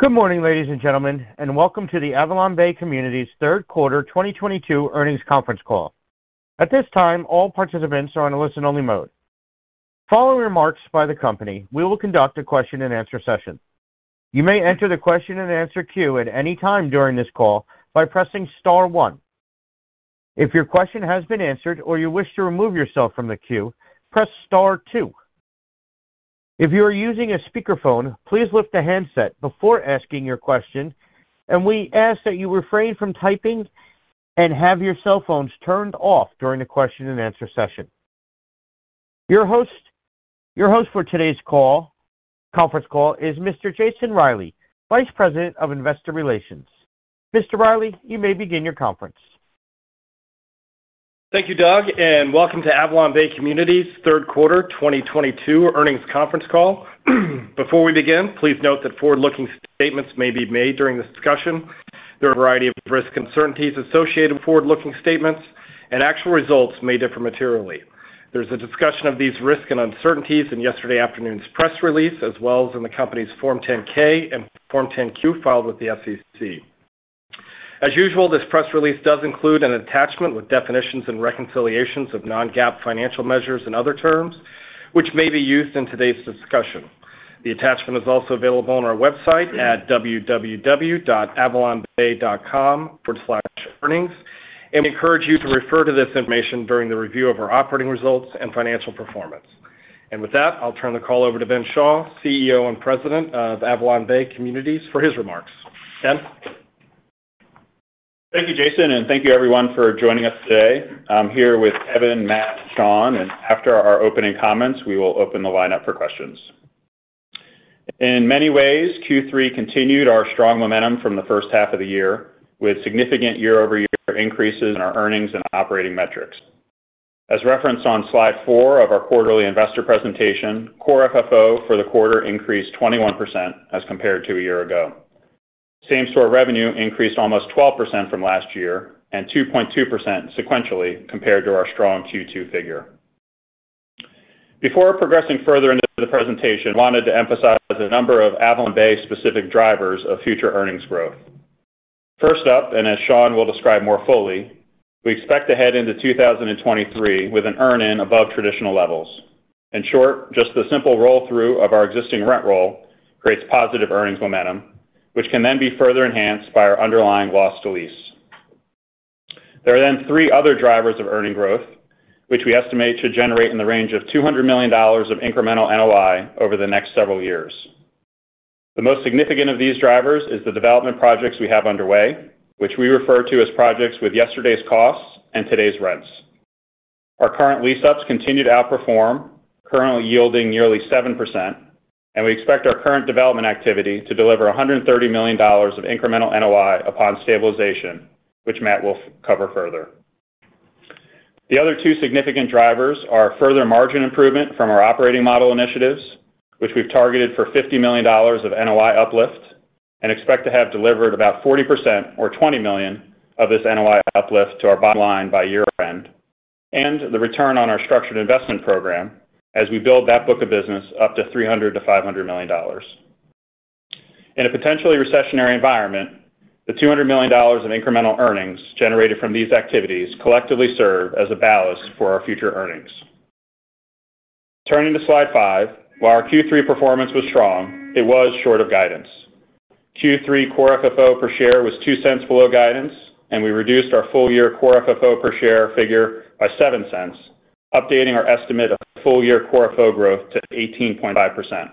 Good morning, ladies and gentlemen, and welcome to the AvalonBay Communities Q3 2022 earnings conference call. At this time, all participants are on a listen only mode. Following remarks by the company, we will conduct a question-and-answer session. You may enter the question-and-answer queue at any time during this call by pressing star one. If your question has been answered or you wish to remove yourself from the queue, press star two. If you are using a speakerphone, please lift the handset before asking your question, and we ask that you refrain from typing and have your cell phones turned off during the question-and-answer session. Your host for today's conference call is Mr. Jason Reilley, Vice President of Investor Relations. Mr. Reilley, you may begin your conference. Thank you, Doug, and welcome to AvalonBay Communities Q3 2022 earnings conference call. Before we begin, please note that forward-looking statements may be made during this discussion. There are a variety of risks and uncertainties associated with forward-looking statements, and actual results may differ materially. There's a discussion of these risks and uncertainties in yesterday afternoon's press release, as well as in the company's Form 10-K and Form 10-Q filed with the SEC. As usual, this press release does include an attachment with definitions and reconciliations of non-GAAP financial measures and other terms which may be used in today's discussion. The attachment is also available on our website at www.avalonbay.com/earnings, and we encourage you to refer to this information during the review of our operating results and financial performance. With that, I'll turn the call over to Benjamin Schall, CEO and President of AvalonBay Communities, for his remarks. Benjamin? Thank you, Jason, and thank you, everyone, for joining us today. I'm here with Kevin, Matt, Sean, and after our opening comments, we will open the lineup for questions. In many ways, Q3 continued our strong momentum from the first half of the year, with significant year-over-year increases in our earnings and operating metrics. As referenced on slide 4 of our quarterly investor presentation, core FFO for the quarter increased 21% as compared to a year ago. Same-store revenue increased almost 12% from last year and 2.2% sequentially compared to our strong Q2 figure. Before progressing further into the presentation, I wanted to emphasize a number of AvalonBay-specific drivers of future earnings growth. First up, as Sean will describe more fully, we expect to head into 2023 with an earn-in above traditional levels. In short, just the simple roll-through of our existing rent roll creates positive earnings momentum, which can then be further enhanced by our underlying loss to lease. There are then three other drivers of earning growth, which we estimate should generate in the range of $200 million of incremental NOI over the next several years. The most significant of these drivers is the development projects we have underway, which we refer to as projects with yesterday's costs and today's rents. Our current lease-ups continue to outperform, currently yielding nearly 7%, and we expect our current development activity to deliver $130 million of incremental NOI upon stabilization, which Matt will cover further. The other two significant drivers are further margin improvement from our operating model initiatives, which we've targeted for $50 million of NOI uplift and expect to have delivered about 40% or $20 million of this NOI uplift to our bottom line by year-end. The return on our structured investment program as we build that book of business up to $300 million-$500 million. In a potentially recessionary environment, the $200 million in incremental earnings generated from these activities collectively serve as a ballast for our future earnings. Turning to slide 5, while our Q3 performance was strong, it was short of guidance. Q3 core FFO per share was $0.02 below guidance, and we reduced our full-year core FFO per share figure by $0.07, updating our estimate of full-year core FFO growth to 18.5%.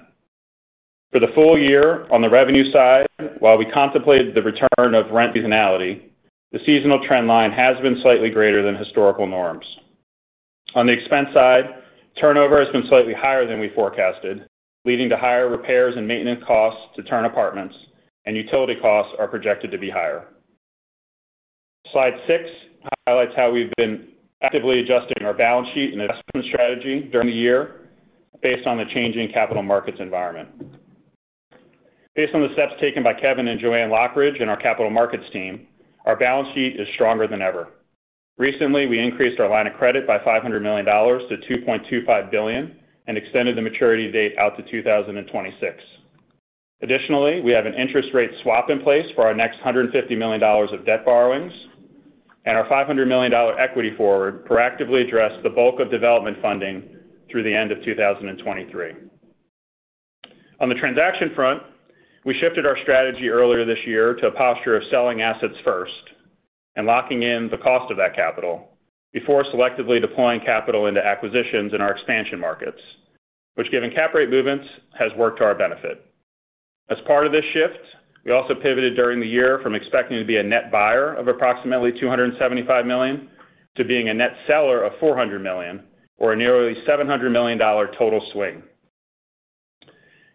For the full year, on the revenue side, while we contemplated the return of rent seasonality, the seasonal trend line has been slightly greater than historical norms. On the expense side, turnover has been slightly higher than we forecasted, leading to higher repairs and maintenance costs to turn apartments and utility costs are projected to be higher. Slide 6 highlights how we've been actively adjusting our balance sheet and investment strategy during the year based on the changing capital markets environment. Based on the steps taken by Kevin and Joanne Lockridge and our capital markets team, our balance sheet is stronger than ever. Recently, we increased our line of credit by $500 million to $2.25 billion and extended the maturity date out to 2026. Additionally, we have an interest rate swap in place for our next $150 million of debt borrowings, and our $500 million equity forward proactively addressed the bulk of development funding through the end of 2023. On the transaction front, we shifted our strategy earlier this year to a posture of selling assets first and locking in the cost of that capital before selectively deploying capital into acquisitions in our expansion markets, which given cap rate movements has worked to our benefit. As part of this shift, we also pivoted during the year from expecting to be a net buyer of approximately $275 million to being a net seller of $400 million or a nearly $700 million total swing.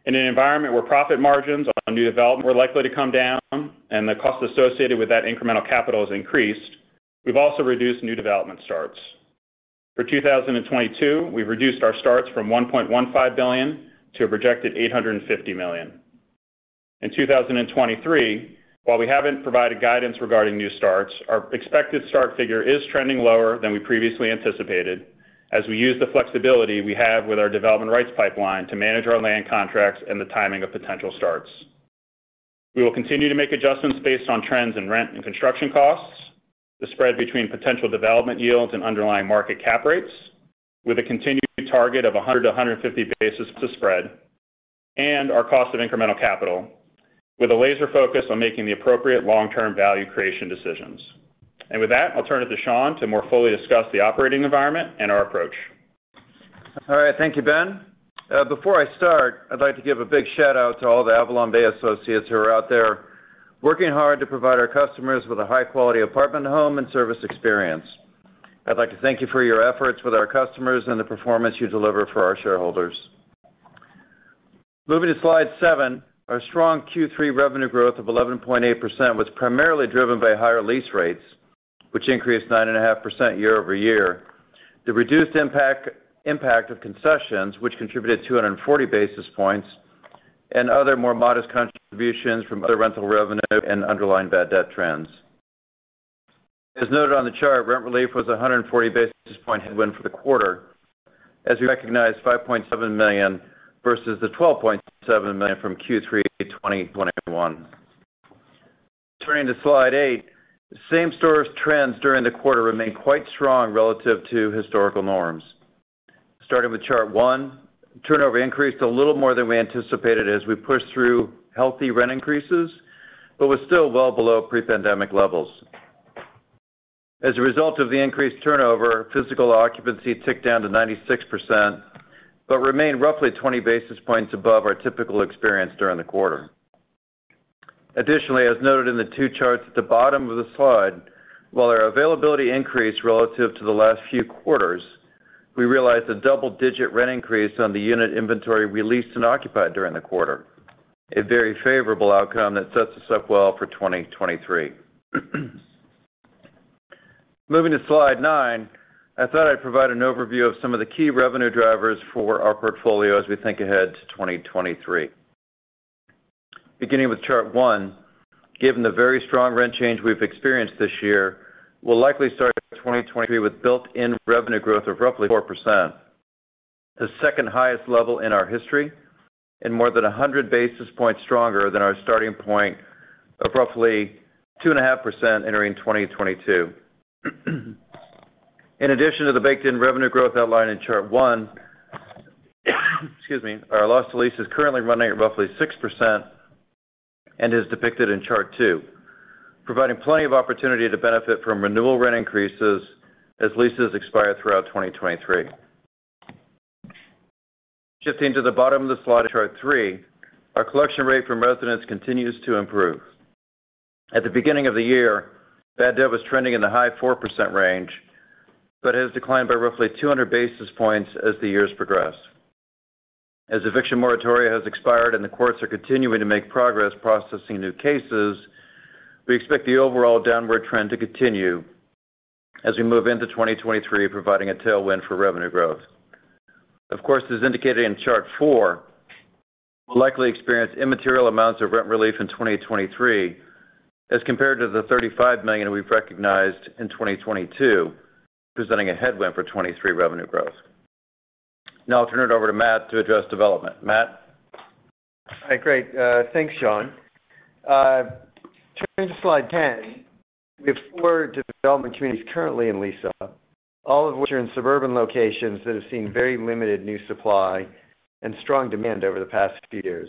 In an environment where profit margins on new development were likely to come down and the cost associated with that incremental capital has increased, we've also reduced new development starts. For 2022, we've reduced our starts from $1.15 billion to a projected $850 million. In 2023, while we haven't provided guidance regarding new starts, our expected start figure is trending lower than we previously anticipated. As we use the flexibility we have with our development rights pipeline to manage our land contracts and the timing of potential starts. We will continue to make adjustments based on trends in rent and construction costs, the spread between potential development yields and underlying market cap rates, with a continued target of 100 to 150 basis points spread and our cost of incremental capital, with a laser focus on making the appropriate long-term value creation decisions. With that, I'll turn it to Sean to more fully discuss the operating environment and our approach. All right. Thank you, Ben. Before I start, I'd like to give a big shout out to all the AvalonBay associates who are out there working hard to provide our customers with a high-quality apartment home and service experience. I'd like to thank you for your efforts with our customers and the performance you deliver for our shareholders. Moving to slide seven, our strong Q3 revenue growth of 11.8% was primarily driven by higher lease rates, which increased 9.5% year-over-year. The reduced impact of concessions, which contributed 240 basis points and other more modest contributions from other rental revenue and underlying bad debt trends. As noted on the chart, rent relief was 140 basis point headwind for the quarter, as we recognized $5.7 million versus the $12.7 million from Q3 2021. Turning to slide 8, same-store trends during the quarter remained quite strong relative to historical norms. Starting with chart 1, turnover increased a little more than we anticipated as we pushed through healthy rent increases, but was still well below pre-pandemic levels. As a result of the increased turnover, physical occupancy ticked down to 96% but remained roughly 20 basis points above our typical experience during the quarter. Additionally, as noted in the two charts at the bottom of the slide, while our availability increased relative to the last few quarters, we realized a double-digit rent increase on the unit inventory we leased and occupied during the quarter. A very favorable outcome that sets us up well for 2023. Moving to slide 9, I thought I'd provide an overview of some of the key revenue drivers for our portfolio as we think ahead to 2023. Beginning with chart 1, given the very strong rent change we've experienced this year, we'll likely start 2023 with built-in revenue growth of roughly 4%, the second highest level in our history and more than 100 basis points stronger than our starting point of roughly 2.5% entering 2022. In addition to the baked-in revenue growth outlined in chart 1, excuse me, our loss to lease is currently running at roughly 6% and is depicted in chart 2, providing plenty of opportunity to benefit from renewal rent increases as leases expire throughout 2023. Shifting to the bottom of the slide in chart three, our collection rate from residents continues to improve. At the beginning of the year, bad debt was trending in the high 4% range, but has declined by roughly 200 basis points as the years progress. As eviction moratorium has expired and the courts are continuing to make progress processing new cases, we expect the overall downward trend to continue as we move into 2023, providing a tailwind for revenue growth. Of course, as indicated in chart four, we'll likely experience immaterial amounts of rent relief in 2023 as compared to the $35 million we've recognized in 2022, presenting a headwind for 2023 revenue growth. Now I'll turn it over to Matt to address development. Matt? All right, great. Thanks, Sean. Turning to slide 10, we have 4 development communities currently in lease-up, all of which are in suburban locations that have seen very limited new supply and strong demand over the past few years.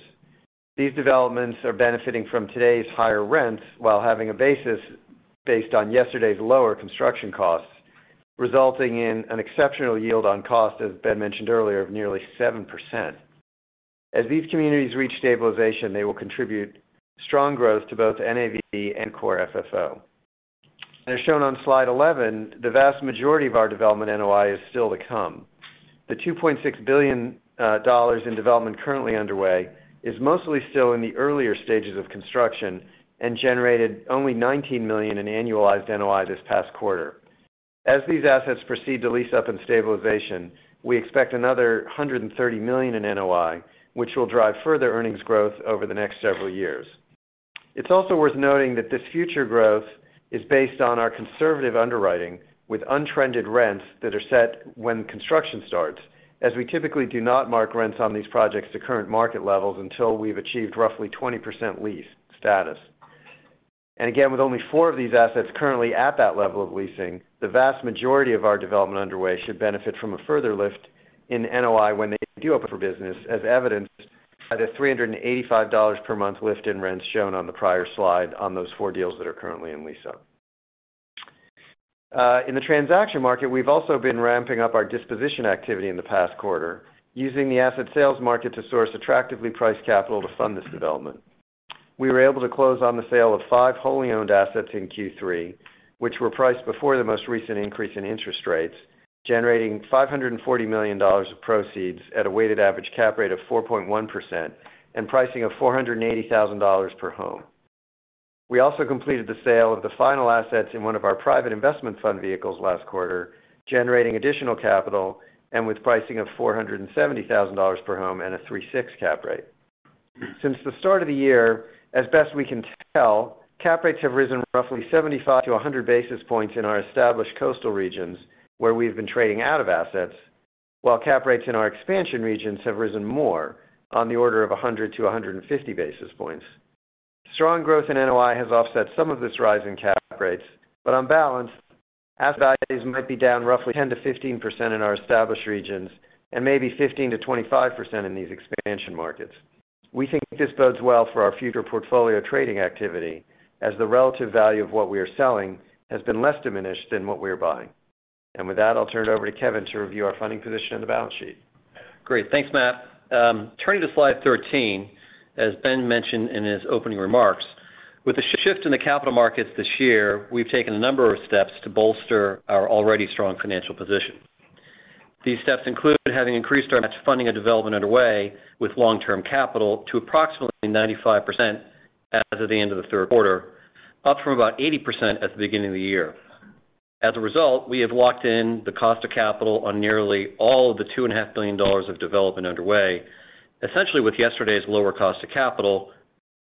These developments are benefiting from today's higher rents while having a basis based on yesterday's lower construction costs, resulting in an exceptional yield on cost, as Ben mentioned earlier, of nearly 7%. As these communities reach stabilization, they will contribute strong growth to both NAV and core FFO. As shown on slide 11, the vast majority of our development NOI is still to come. The $2.6 billion in development currently underway is mostly still in the earlier stages of construction and generated only $19 million in annualized NOI this past quarter. As these assets proceed to lease up in stabilization, we expect another $130 million in NOI, which will drive further earnings growth over the next several years. It's also worth noting that this future growth is based on our conservative underwriting with untrended rents that are set when construction starts, as we typically do not mark rents on these projects to current market levels until we've achieved roughly 20% lease status. Again, with only four of these assets currently at that level of leasing, the vast majority of our development underway should benefit from a further lift in NOI when they do open for business, as evidenced by the $385 per month lift in rents shown on the prior slide on those four deals that are currently in lease up. In the transaction market, we've also been ramping up our disposition activity in the past quarter using the asset sales market to source attractively priced capital to fund this development. We were able to close on the sale of 5 wholly owned assets in Q3, which were priced before the most recent increase in interest rates, generating $540 million of proceeds at a weighted average cap rate of 4.1% and pricing of $480,000 per home. We also completed the sale of the final assets in one of our private investment fund vehicles last quarter, generating additional capital and with pricing of $470,000 per home and a 3.6 cap rate. Since the start of the year, as best we can tell, cap rates have risen roughly 75-100 basis points in our established coastal regions where we've been trading out of assets, while cap rates in our expansion regions have risen more on the order of 100-150 basis points. Strong growth in NOI has offset some of this rise in cap rates, but on balance, asset values might be down roughly 10%-15% in our established regions and maybe 15%-25% in these expansion markets. We think this bodes well for our future portfolio trading activity as the relative value of what we are selling has been less diminished than what we are buying. With that, I'll turn it over to Kevin to review our funding position and the balance sheet. Great. Thanks, Matt. Turning to slide 13. As Ben mentioned in his opening remarks, with the shift in the capital markets this year, we've taken a number of steps to bolster our already strong financial position. These steps include having increased our funding and development underway with long-term capital to approximately 95% as of the end of the Q3, up from about 80% at the beginning of the year. As a result, we have locked in the cost of capital on nearly all of the $2.5 billion of development underway, essentially with yesterday's lower cost of capital,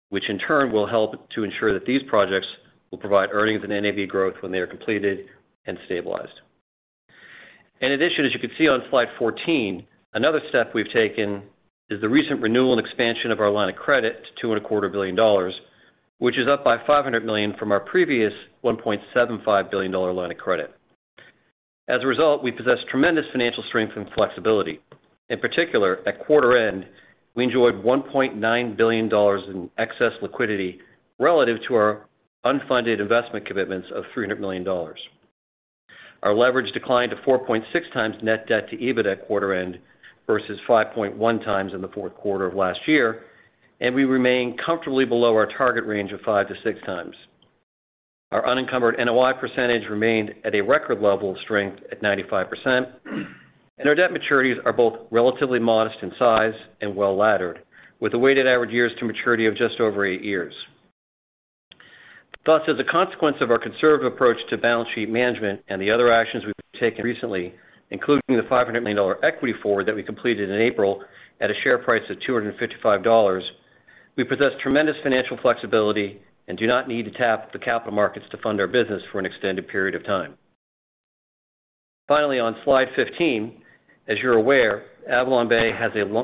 which in turn will help to ensure that these projects will provide earnings and NAV growth when they are completed and stabilized. In addition, as you can see on slide 14, another step we've taken is the recent renewal and expansion of our line of credit to $2.25 billion, which is up by $500 million from our previous $1.75 billion line of credit. As a result, we possess tremendous financial strength and flexibility. In particular, at quarter end, we enjoyed $1.9 billion in excess liquidity relative to our unfunded investment commitments of $300 million. Our leverage declined to 4.6x net debt to EBITDA at quarter end versus 5.1x in the Q4 of last year, and we remain comfortably below our target range of 5x-6x. Our unencumbered NOI percentage remained at a record level of strength at 95%, and our debt maturities are both relatively modest in size and well-laddered, with a weighted average years to maturity of just over 8 years. Thus, as a consequence of our conservative approach to balance sheet management and the other actions we've taken recently, including the $500 million equity forward that we completed in April at a share price of $255, we possess tremendous financial flexibility and do not need to tap the capital markets to fund our business for an extended period of time. Finally, on slide 15, as you're aware, AvalonBay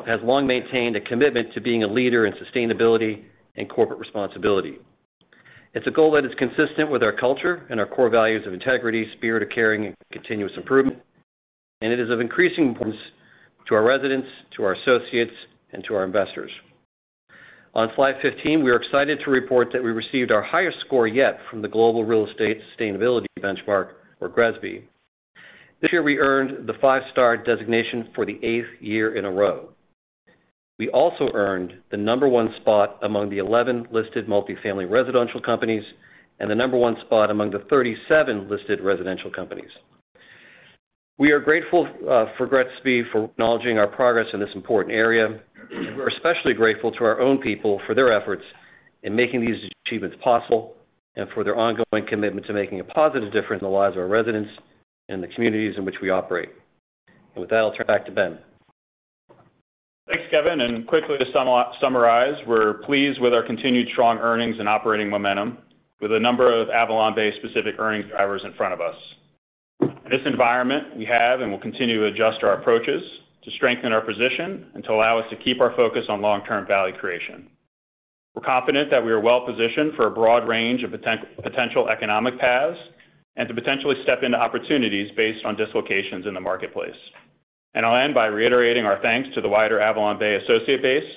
has long maintained a commitment to being a leader in sustainability and corporate responsibility. It's a goal that is consistent with our culture and our core values of integrity, spirit of caring, and continuous improvement, and it is of increasing importance to our residents, to our associates, and to our investors. On slide 15, we are excited to report that we received our highest score yet from the Global Real Estate Sustainability Benchmark, or GRESB. This year, we earned the five-star designation for the eighth year in a row. We also earned the number one spot among the 11 listed multifamily residential companies and the number one spot among the 37 listed residential companies. We are grateful for GRESB for acknowledging our progress in this important area. We're especially grateful to our own people for their efforts in making these achievements possible and for their ongoing commitment to making a positive difference in the lives of our residents and the communities in which we operate. With that, I'll turn it back to Ben. Thanks, Kevin. Quickly to summarize, we're pleased with our continued strong earnings and operating momentum with a number of AvalonBay-based specific earnings drivers in front of us. In this environment, we have and will continue to adjust our approaches to strengthen our position and to allow us to keep our focus on long-term value creation. We're confident that we are well-positioned for a broad range of potential economic paths and to potentially step into opportunities based on dislocations in the marketplace. I'll end by reiterating our thanks to the wider AvalonBay associate base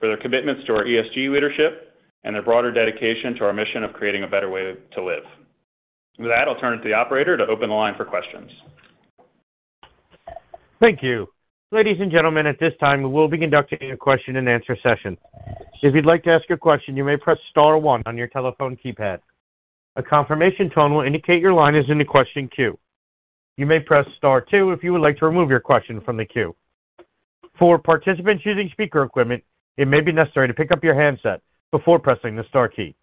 for their commitments to our ESG leadership and their broader dedication to our mission of creating a better way to live. With that, I'll turn it to the operator to open the line for questions. Thank you. Ladies and gentlemen, at this time, we will be conducting a question-and-answer session. If you'd like to ask a question, you may press star one on your telephone keypad. A confirmation tone will indicate your line is in the question queue. You may press star two if you would like to remove your question from the queue. For participants using speaker equipment, it may be necessary to pick up your handset before pressing the star key.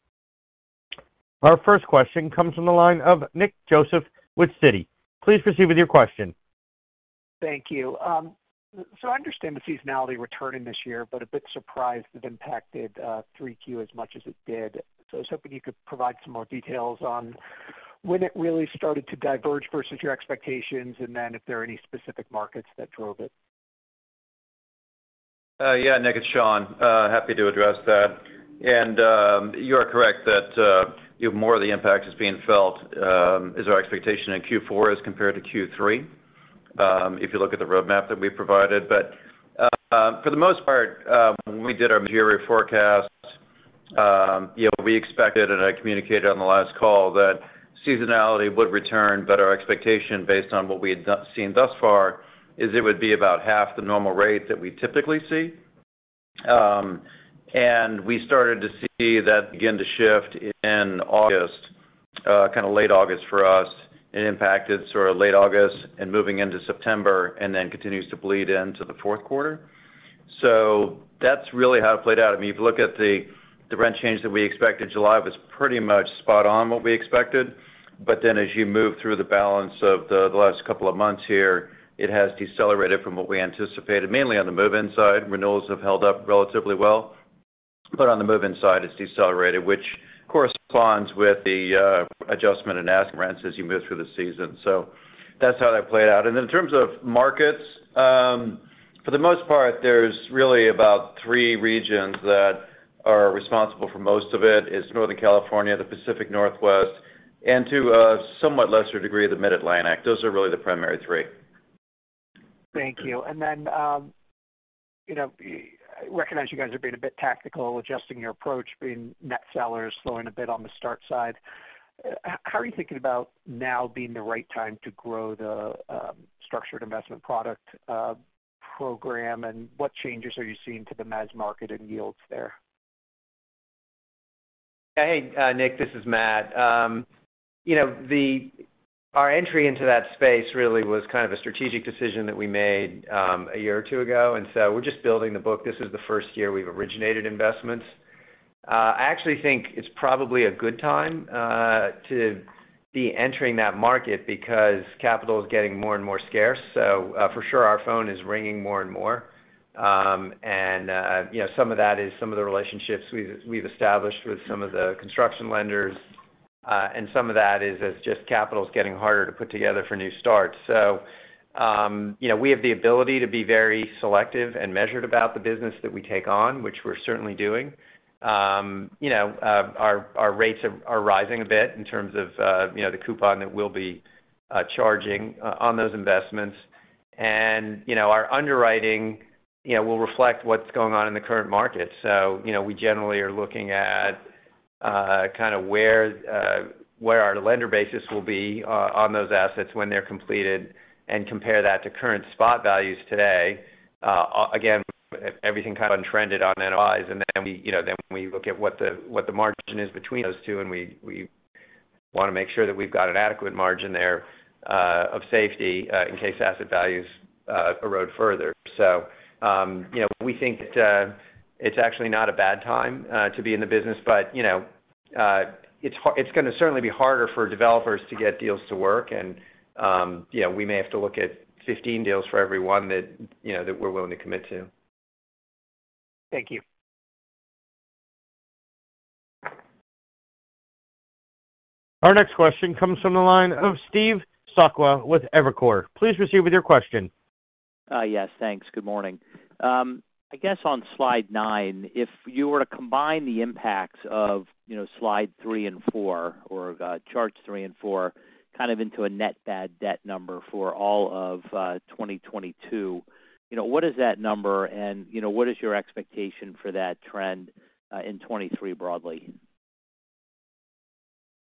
Our first question comes from the line of Nick Joseph with Citi. Please proceed with your question. Thank you. I understand the seasonality returning this year, but a bit surprised it impacted 3Q as much as it did. I was hoping you could provide some more details on when it really started to diverge versus your expectations, and then if there are any specific markets that drove it. Yeah, Nick, it's Sean. Happy to address that. You are correct that more of the impact is being felt as our expectation in Q4 as compared to Q3 if you look at the roadmap that we provided. For the most part, when we did our material forecasts, we expected, and I communicated on the last call, that seasonality would return. Our expectation based on what we had seen thus far is it would be about half the normal rate that we typically see. We started to see that begin to shift in August, kind of late August for us. It impacted sort of late August and moving into September and then continues to bleed into the Q4. That's really how it played out. I mean, if you look at the The rent change that we expect in July was pretty much spot on what we expected. As you move through the balance of the last couple of months here, it has decelerated from what we anticipated, mainly on the move-in side. Renewals have held up relatively well, but on the move-in side, it's decelerated, which corresponds with the adjustment in asking rents as you move through the season. That's how that played out. In terms of markets, for the most part, there's really about three regions that are responsible for most of it. It's Northern California, the Pacific Northwest, and to a somewhat lesser degree, the Mid-Atlantic. Those are really the primary three. Thank you. I recognize you guys are being a bit tactical, adjusting your approach, being net sellers, slowing a bit on the start side. How are you thinking about now being the right time to grow the structured investment product program, and what changes are you seeing to the mass market and yields there? Hey, Nick, this is Matt. You know, our entry into that space really was kind of a strategic decision that we made a year or two ago, so we're just building the book. This is the first year we've originated investments. I actually think it's probably a good time to be entering that market because capital is getting more and more scarce. For sure, our phone is ringing more and more. You know, some of that is some of the relationships we've established with some of the construction lenders, and some of that is just capital is getting harder to put together for new starts. You know, we have the ability to be very selective and measured about the business that we take on, which we're certainly doing. You know, our rates are rising a bit in terms of, the coupon that we'll be charging on those investments. You know, our underwriting will reflect what's going on in the current market. You know, we generally are looking at kind of where our lender basis will be on those assets when they're completed and compare that to current spot values today. Again, everything kind of untrended on NOIs. You know, when you look at what the margin is between those two, and we wanna make sure that we've got an adequate margin there of safety in case asset values erode further. You know, we think that it's actually not a bad time to be in the business, but it's gonna certainly be harder for developers to get deals to work and, we may have to look at 15 deals for every one that that we're willing to commit to. Thank you. Our next question comes from the line of Steve Sakwa with Evercore. Please proceed with your question. Yes, thanks. Good morning. I guess on slide 9, if you were to combine the impacts of, slide 3 and 4 or charts 3 and 4 kind of into a net bad debt number for all of 2022, what is that number? And, you know, what is your expectation for that trend in 2023 broadly?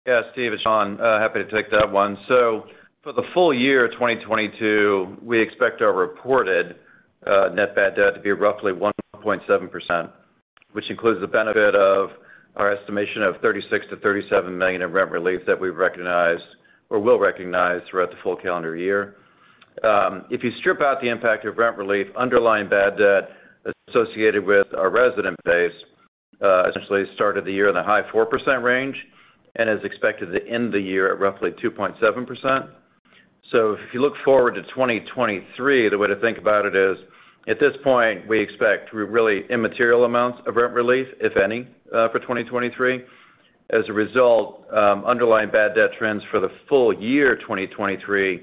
Yes, Steve, it's Sean. Happy to take that one. For the full year 2022, we expect our reported net bad debt to be roughly 1.7%, which includes the benefit of our estimation of $36 million-$37 million in rent relief that we've recognized or will recognize throughout the full calendar year. If you strip out the impact of rent relief, underlying bad debt associated with our resident base essentially started the year in the high 4% range and is expected to end the year at roughly 2.7%. If you look forward to 2023, the way to think about it is, at this point, we expect really immaterial amounts of rent relief, if any, for 2023. As a result, underlying bad debt trends for the full year 2023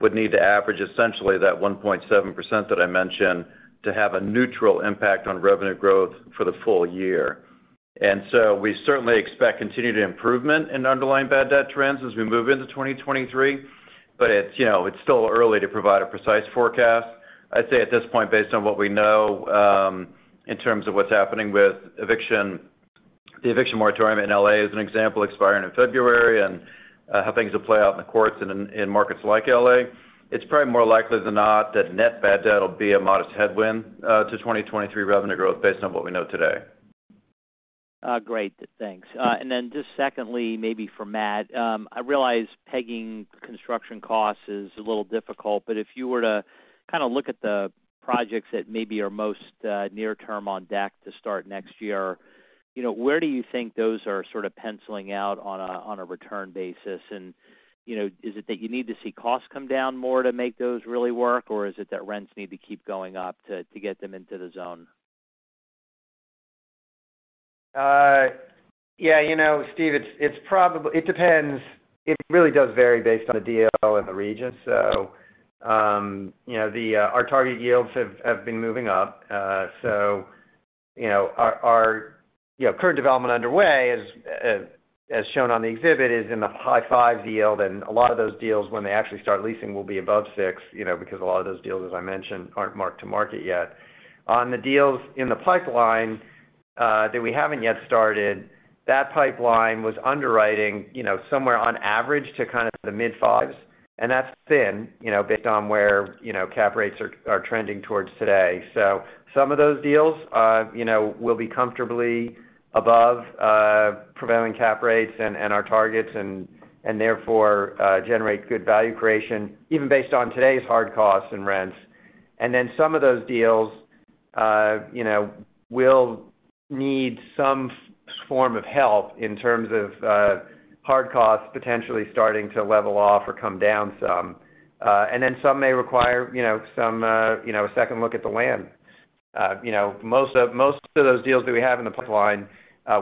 would need to average essentially that 1.7% that I mentioned to have a neutral impact on revenue growth for the full year. We certainly expect continued improvement in underlying bad debt trends as we move into 2023, but it's, still early to provide a precise forecast. I'd say at this point, based on what we know, in terms of what's happening with eviction, the eviction moratorium in L.A. is an example expiring in February and how things will play out in the courts in markets like L.A., it's probably more likely than not that net bad debt will be a modest headwind to 2023 revenue growth based on what we know today. Great. Thanks. Just secondly, maybe for Matt, I realize pegging construction costs is a little difficult, but if you were to kinda look at the projects that maybe are most near term on deck to start next year, where do you think those are sort of penciling out on a return basis? You know, is it that you need to see costs come down more to make those really work? Or is it that rents need to keep going up to get them into the zone? Yeah, Steve, it's probably it depends. It really does vary based on the deal and the region. You know, our target yields have been moving up. You know, our current development underway, as shown on the exhibit, is in the high 5s% yield, and a lot of those deals when they actually start leasing will be above 6%, because a lot of those deals, as I mentioned, aren't mark to market yet. On the deals in the pipeline that we haven't yet started, that pipeline was underwriting, somewhere on average to kind of the mid 5s%, and that's thin, based on where cap rates are trending towards today. Some of those deals, will be comfortably above prevailing cap rates and our targets and therefore generate good value creation, even based on today's hard costs and rents. Some of those deals, will need some form of help in terms of hard costs potentially starting to level off or come down some. Some may require, some, a second look at the land. You know, most of those deals that we have in the pipeline,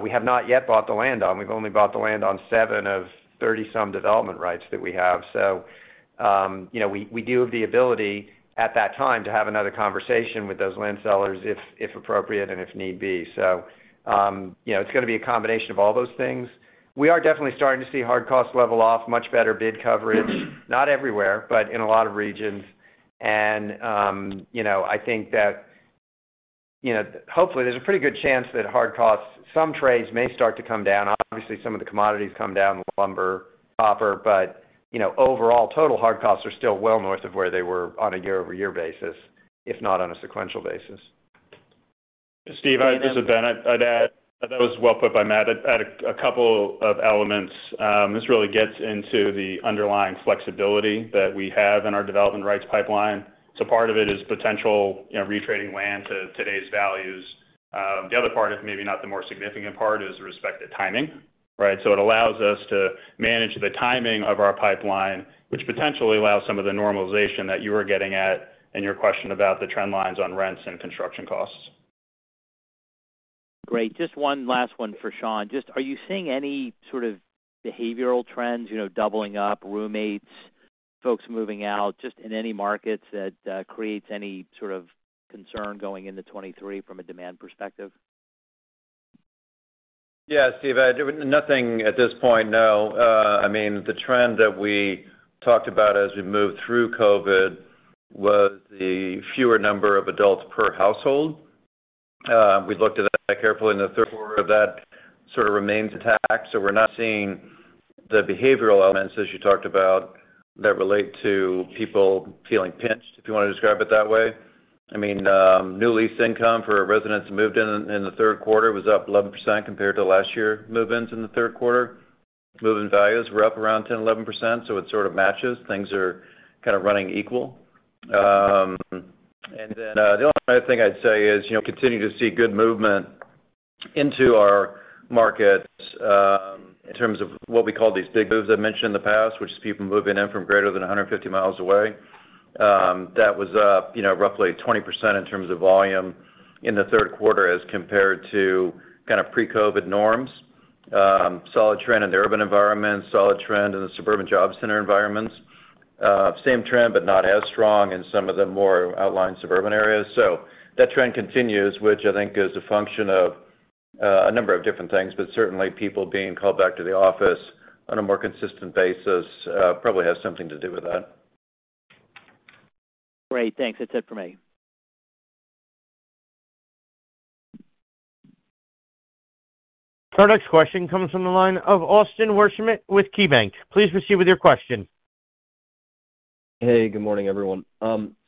we have not yet bought the land on. We've only bought the land on 7 of thirty-some development rights that we have. You know, we do have the ability at that time to have another conversation with those land sellers if appropriate and if need be. It's gonna be a combination of all those things. We are definitely starting to see hard costs level off, much better bid coverage, not everywhere, but in a lot of regions. You know, I think that, hopefully, there's a pretty good chance that hard costs, some trades may start to come down. Obviously, some of the commodities come down, lumber, copper, but, overall, total hard costs are still well north of where they were on a year-over-year basis, if not on a sequential basis. Steve, this is Ben. I'd add, that was well put by Matt. I'd add a couple of elements. This really gets into the underlying flexibility that we have in our development rights pipeline. Part of it is potential, retrading land to today's values. The other part is maybe not the more significant part is the respect to timing, right? It allows us to manage the timing of our pipeline, which potentially allows some of the normalization that you were getting at in your question about the trend lines on rents and construction costs. Great. Just one last one for Sean. Just are you seeing any sort of behavioral trends, doubling up roommates, folks moving out, just in any markets that creates any sort of concern going into 2023 from a demand perspective? Yeah, Steve, nothing at this point, no. I mean, the trend that we talked about as we moved through COVID was the fewer number of adults per household. We looked at that carefully in the Q3. That sort of remains intact. We're not seeing the behavioral elements as you talked about that relate to people feeling pinched, if you want to describe it that way. I mean, new lease income for residents moved in in the Q3 was up 11% compared to last year move-ins in the Q3 Move-in values were up around 10-11%, so it sort of matches. Things are kind of running equal. The only other thing I'd say is, continue to see good movement into our markets, in terms of what we call these big moves I've mentioned in the past, which is people moving in from greater than 150 miles away. That was up, roughly 20% in terms of volume in the Q3 as compared to kind of pre-COVID norms. Solid trend in the urban environment, solid trend in the suburban job center environments. Same trend but not as strong in some of the more outlying suburban areas. That trend continues, which I think is a function of a number of different things, but certainly people being called back to the office on a more consistent basis, probably has something to do with that. Great. Thanks. That's it for me. Our next question comes from the line of Austin Wurschmidt with KeyBank. Please proceed with your question. Hey, good morning, everyone.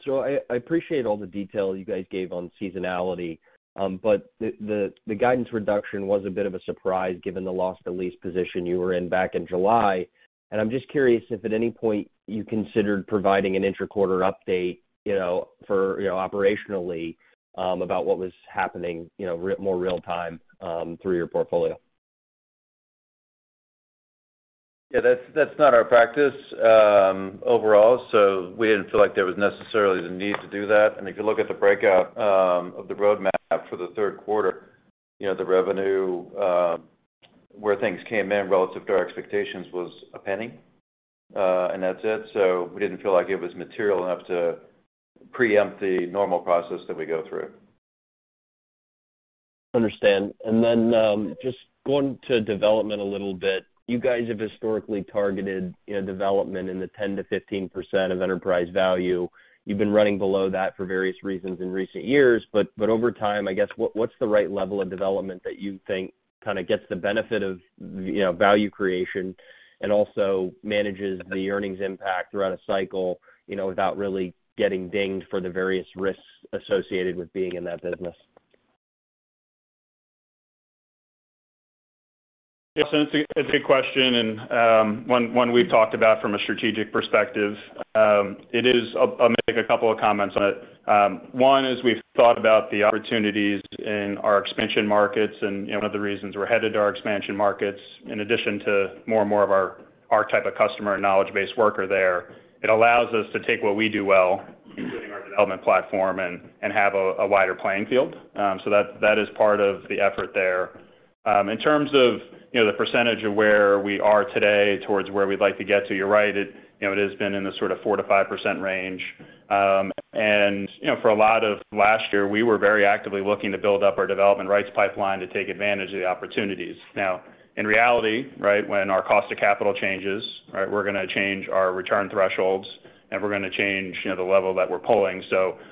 So I appreciate all the detail you guys gave on seasonality. But the guidance reduction was a bit of a surprise given the loss to lease position you were in back in July. I'm just curious if at any point you considered providing an interquarter update, for, operationally, about what was happening, more real-time, through your portfolio. Yeah, that's not our practice overall, so we didn't feel like there was necessarily the need to do that. If you look at the breakout of the roadmap for the Q3, the revenue where things came in relative to our expectations was $0.01, and that's it. We didn't feel like it was material enough to preempt the normal process that we go through. Understand. Just going to development, a little bit. You guys have historically targeted, development in the 10%-15% of enterprise value. You've been running below that for various reasons in recent years. Over time, I guess, what's the right level of development that you think kind of gets the benefit of, value creation and also manages the earnings impact throughout a cycle, without really getting dinged for the various risks associated with being in that business? Yeah. It's a good question and one we've talked about from a strategic perspective. I'll make a couple of comments on it. One is we've thought about the opportunities in our expansion markets and, one of the reasons we're headed to our expansion markets, in addition to more and more of our type of customer and knowledge-based worker there, it allows us to take what we do well, including our development platform, and have a wider playing field. So that is part of the effort there. In terms of, the percentage of where we are today towards where we'd like to get to, you're right, it has been in the sort of 4%-5% range. You know, for a lot of last year, we were very actively looking to build up our development rights pipeline to take advantage of the opportunities. Now, in reality, right, when our cost of capital changes, right, we're gonna change our return thresholds, and we're gonna change, the level that we're pulling.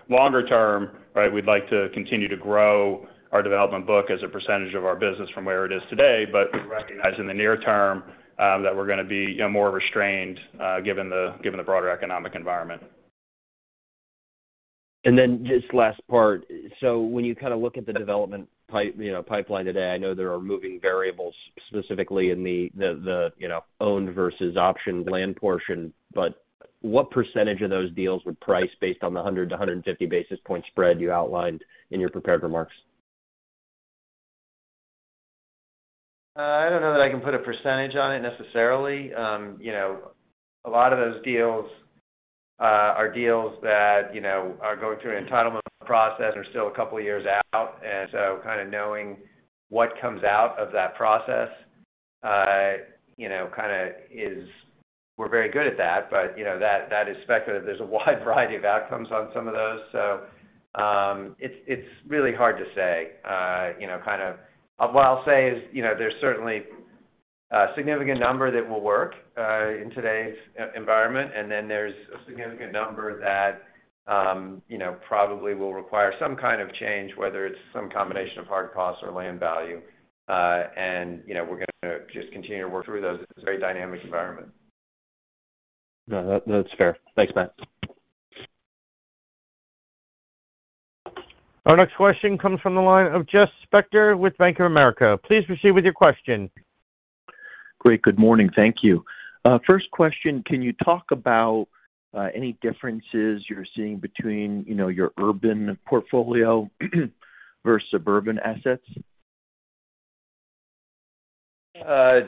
Longer term, right, we'd like to continue to grow our development book as a percentage of our business from where it is today. We recognize in the near term that we're gonna be, more restrained, given the broader economic environment. Just last part. When you kind of look at the development pipeline today, I know there are moving variables specifically in the owned versus optioned land portion, but what percentage of those deals would price based on the 100-150 basis point spread you outlined in your prepared remarks? I don't know that I can put a percentage on it necessarily. You know, a lot of those deals are deals that, are going through an entitlement process are still a couple of years out. Kind of knowing what comes out of that process, kind of, we're very good at that, but that is speculative. There's a wide variety of outcomes on some of those. It's really hard to say. You know, kind of, what I'll say is, there's certainly a significant number that will work in today's environment, and then there's a significant number that, probably will require some kind of change, whether it's some combination of hard costs or land value. You know, we're gonna just continue to work through those. It's a very dynamic environment. No, that's fair. Thanks, Matt. Our next question comes from the line of Jeff Spector with Bank of America. Please proceed with your question. Great. Good morning. Thank you. First question, can you talk about any differences you're seeing between, your urban portfolio versus suburban assets?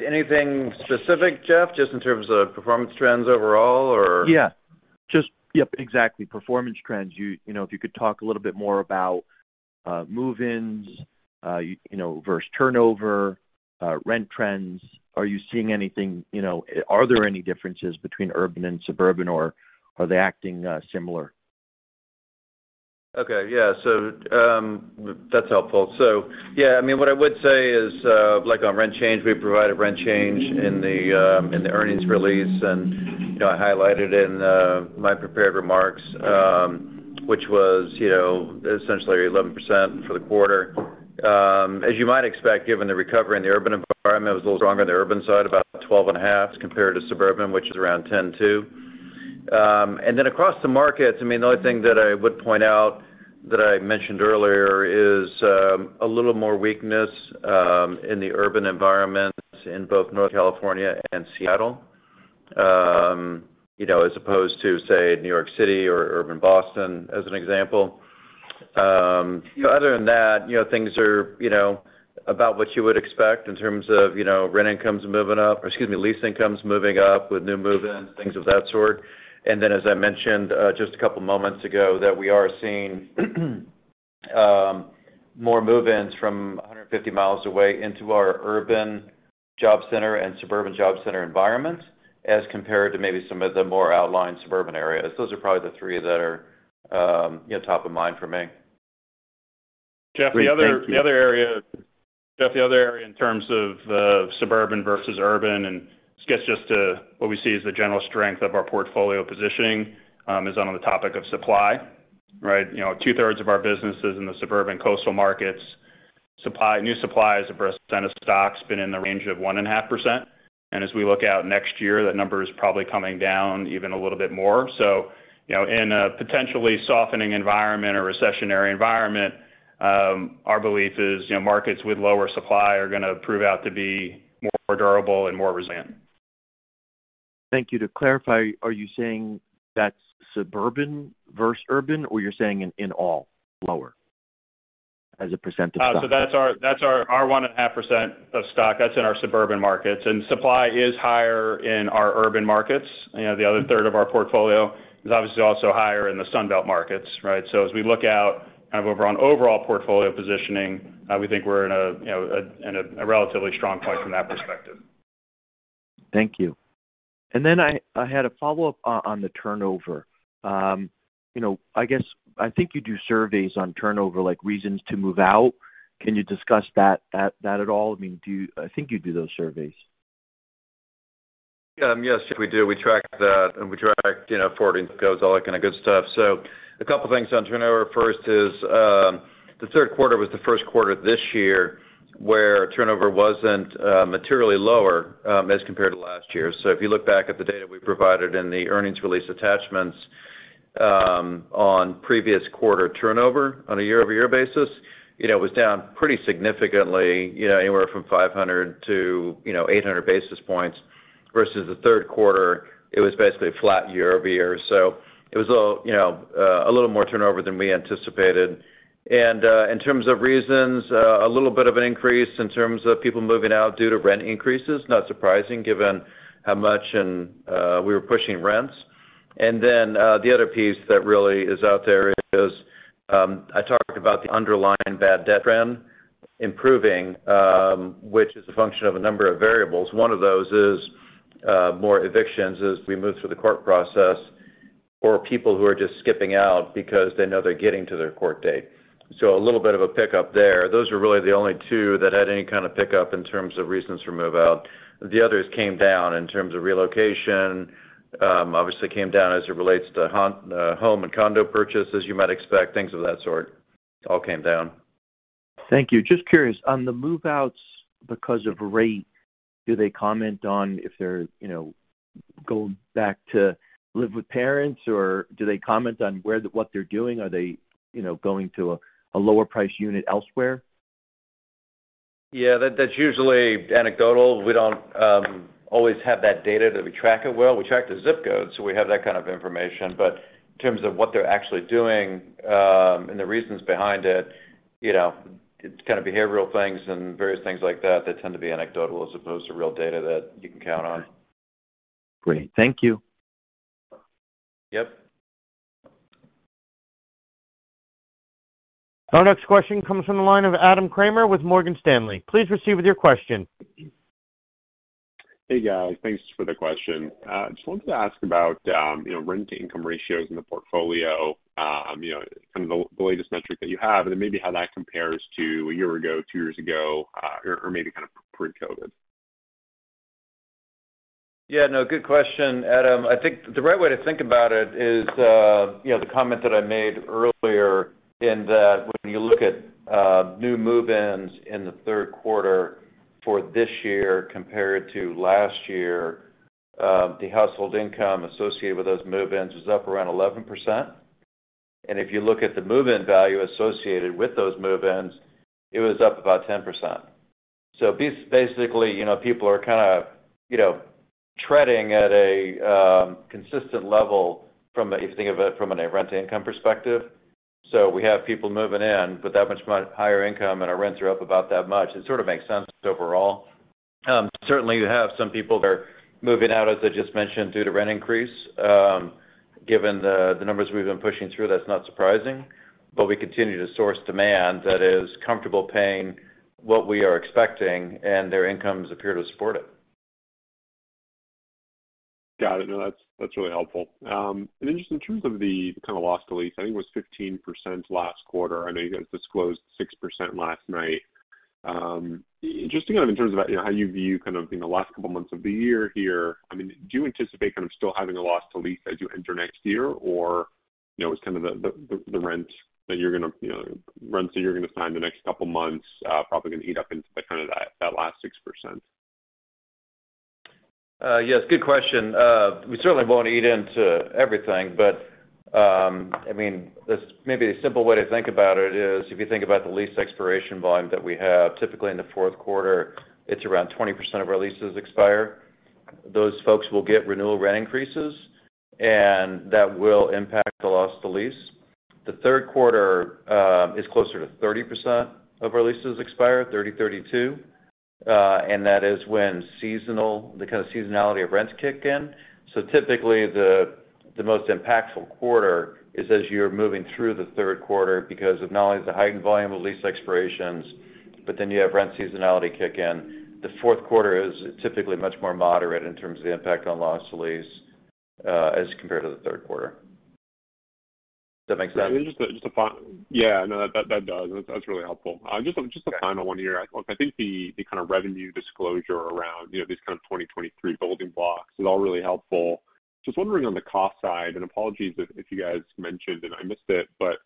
Anything specific, Jeff, just in terms of performance trends overall or? Yeah. Just, yep, exactly. Performance trends. You know, if you could talk a little bit more about move-ins, versus turnover, rent trends. Are you seeing anything, you know? Are there any differences between urban and suburban, or are they acting similar? Okay. Yeah. That's helpful. Yeah, I mean, what I would say is, like on rent change, we provided rent change in the earnings release. You know, I highlighted in my prepared remarks, which was, essentially 11% for the quarter. As you might expect, given the recovery in the urban environment, it was a little stronger on the urban side, about 12.5 as compared to suburban, which is around 10 too. Across the markets, I mean, the only thing that I would point out that I mentioned earlier is a little more weakness in the urban environments in both Northern California and Seattle, as opposed to, say, New York City or urban Boston as an example. Other than that, things are, about what you would expect in terms of, lease incomes moving up with new move-ins, things of that sort. As I mentioned, just a couple moments ago, that we are seeing more move-ins from 150 miles away into our urban job center and suburban job center environments as compared to maybe some of the more outlying suburban areas. Those are probably the three that are, top of mind for me. Great. Thank you. Jeff, the other area in terms of suburban versus urban, and I guess just to what we see as the general strength of our portfolio positioning is on the topic of supply, right? You know, two-thirds of our businesses in the suburban coastal markets, supply, new supply as a percent of stock's been in the range of 1.5%. As we look out next year, that number is probably coming down even a little bit more. You know, in a potentially softening environment or recessionary environment, our belief is, markets with lower supply are gonna prove out to be more durable and more resilient. Thank you. To clarify, are you saying that's suburban versus urban, or you're saying in all lower as a percentage of stock? That's our 1.5% of stock. That's in our suburban markets. Supply is higher in our urban markets. You know, the other third of our portfolio is obviously also higher in the Sun Belt markets, right? As we look out kind of over our overall portfolio positioning, we think we're in a, relatively strong place from that perspective. Thank you. I had a follow-up on the turnover. You know, I guess I think you do surveys on turnover, like reasons to move out. Can you discuss that at all? I mean, do you? I think you do those surveys. Yes, we do. We track, you know, forwarding costs, all that kind of good stuff. A couple things on turnover. First is, the Q3 was the Q1 this year where turnover wasn't materially lower, as compared to last year. If you look back at the data we provided in the earnings release attachments, on previous quarter turnover on a year-over-year basis, it was down pretty significantly, anywhere from 500-800 basis points versus the Q3, it was basically flat year-over-year. It was a little more turnover than we anticipated. In terms of reasons, a little bit of an increase in terms of people moving out due to rent increases, not surprising given how much and we were pushing rents. The other piece that really is out there is I talked about the underlying bad debt trend improving, which is a function of a number of variables. One of those is more evictions as we move through the court process for people who are just skipping out because they know they're getting to their court date. A little bit of a pickup there. Those are really the only two that had any kind of pickup in terms of reasons for move-out. The others came down in terms of relocation, obviously came down as it relates to home and condo purchases, you might expect, things of that sort, all came down. Thank you. Just curious, on the move-outs because of rate, do they comment on if they're, going back to live with parents, or do they comment on what they're doing? Are they, going to a lower price unit elsewhere? Yeah, that's usually anecdotal. We don't always have that data that we track it well. We track the ZIP code, so we have that kind of information. In terms of what they're actually doing, and the reasons behind it's kind of behavioral things and various things like that that tend to be anecdotal as opposed to real data that you can count on. Great. Thank you. Yep. Our next question comes from the line of Adam Kramer with Morgan Stanley. Please proceed with your question. Hey, guys. Thanks for the question. Just wanted to ask about, rent-to-income ratios in the portfolio, kind of the latest metric that you have, and then maybe how that compares to a year ago, two years ago, or maybe kind of pre-COVID. Yeah, no, good question, Adam. I think the right way to think about it is, the comment that I made earlier in that when you look at new move-ins in the Q3 for this year compared to last year, the household income associated with those move-ins is up around 11%. If you look at the move-in value associated with those move-ins, it was up about 10%. Basically, people are kind of, treading at a consistent level from a if you think of it from a rent income perspective. We have people moving in, but that much higher income and our rents are up about that much. It sort of makes sense overall. Certainly you have some people that are moving out, as I just mentioned, due to rent increase. Given the numbers we've been pushing through, that's not surprising. We continue to source demand that is comfortable paying what we are expecting, and their incomes appear to support it. Got it. No, that's really helpful. Just in terms of the kind of loss to lease, I think it was 15% last quarter. I know you guys disclosed 6% last night. Just, you know, in terms of, how you view kind of, the last couple months of the year here, I mean, do you anticipate kind of still having a loss to lease as you enter next year? Or, is kind of the rents that you're gonna sign the next couple months probably gonna eat up into kind of that last 6%? Yes, good question. We certainly won't eat into everything. I mean, this may be a simple way to think about it is if you think about the lease expiration volume that we have, typically in the Q4, it's around 20% of our leases expire. Those folks will get renewal rent increases, and that will impact the loss to lease. The Q3 is closer to 30% of our leases expire, 32, and that is when seasonality of rents kick in. Typically the most impactful quarter is as you're moving through the Q3 because of not only the heightened volume of lease expirations, but then you have rent seasonality kick in. The Q4 is typically much more moderate in terms of the impact on loss to lease, as compared to theQ3. Does that make sense? Yeah, no, that does. That's really helpful. Just a final one here. I think the kind of revenue disclosure around, these kind of 2023 building blocks is all really helpful. Just wondering on the cost side, and apologies if you guys mentioned and I missed it, but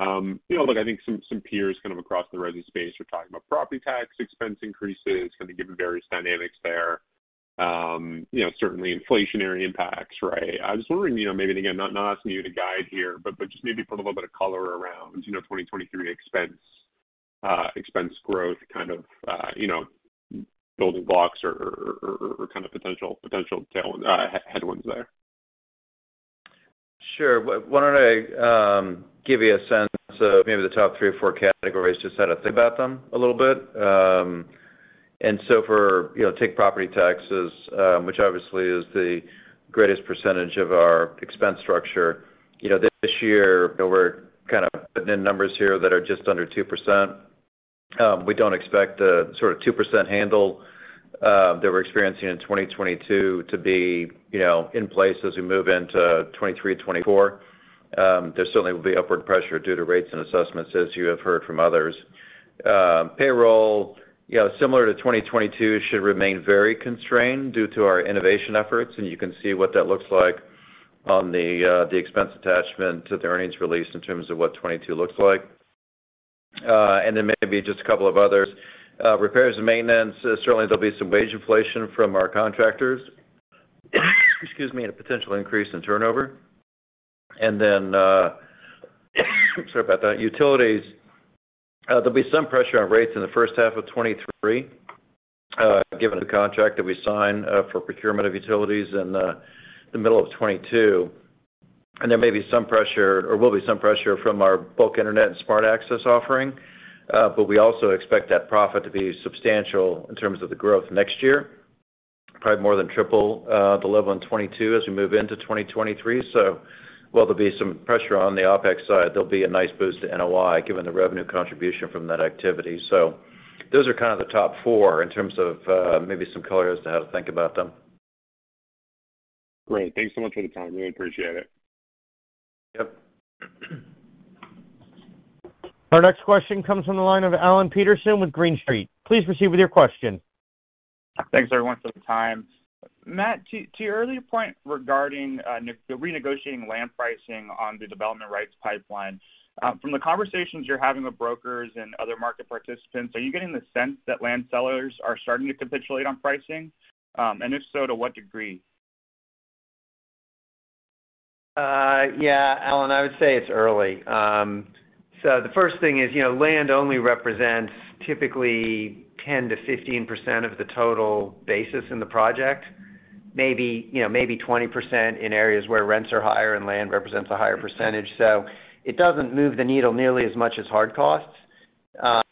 look, I think some peers kind of across the resi space are talking about property tax expense increases kind of given various dynamics there. You know, certainly inflationary impacts, right? I was wondering, maybe again, not asking you to guide here, but just maybe put a little bit of color around, 2023 expense growth kind of, building blocks or kind of potential headwinds there. Sure. Why don't I give you a sense of maybe the top three or four categories, just how to think about them a little bit. For, take property taxes, which obviously is the greatest percentage of our expense structure. You know, this year, we're kind of putting in numbers here that are just under 2%. We don't expect the sort of 2% handle that we're experiencing in 2022 to be, in place as we move into 2023, 2024. There certainly will be upward pressure due to rates and assessments, as you have heard from others. Payroll, similar to 2022, should remain very constrained due to our innovation efforts, and you can see what that looks like on the expense attachment to the earnings release in terms of what 2022 looks like. Maybe just a couple of others. Repairs and maintenance. Certainly, there'll be some wage inflation from our contractors. Excuse me. A potential increase in turnover. Sorry about that. Utilities. There'll be some pressure on rates in the first half of 2023, given the contract that we signed for procurement of utilities in the middle of 2022. There may be some pressure, or will be some pressure, from our bulk internet and smart access offering. We also expect that profit to be substantial in terms of the growth next year. Probably more than triple the level in 2022 as we move into 2023. While there'll be some pressure on the OpEx side, there'll be a nice boost to NOI, given the revenue contribution from that activity. Those are kind of the top four in terms of maybe some color as to how to think about them. Great. Thank you so much for the time. Really appreciate it. Yep. Our next question comes from the line of Alan Peterson with Green Street. Please proceed with your question. Thanks, everyone, for the time. Matt, to your earlier point regarding renegotiating land pricing on the development rights pipeline, from the conversations you're having with brokers and other market participants, are you getting the sense that land sellers are starting to capitulate on pricing? If so, to what degree? Yeah, Alan, I would say it's early. So, the first thing is, land only represents typically 10%-15% of the total basis in the project, maybe, Vmaybe 20% in areas where rents are higher and land represents a higher percentage. It doesn't move the needle nearly as much as hard costs,